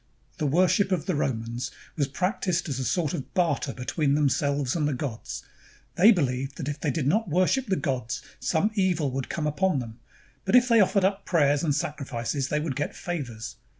The worship of the Romans was practiced as a sort of barter between themselves and the gods. They beHeved that if they did not worship the gods, some evil would come upon them; but that if they offered up prayers and sacrifices, they would get favors.